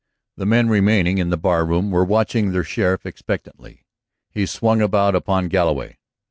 The men remaining in the barroom were watching their sheriff expectantly. He swung about upon Galloway.